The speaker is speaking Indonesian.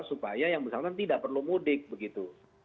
supaya yang bersama sama tidak perlu mudik begitu